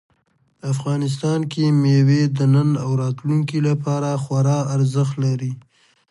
افغانستان کې مېوې د نن او راتلونکي لپاره خورا ارزښت لري.